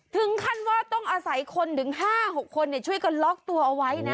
ถึงขั้นว่าต้องอาศัยคนถึง๕๖คนช่วยกันล็อกตัวเอาไว้นะ